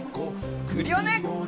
クリオネ！